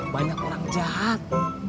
banyak orang jahat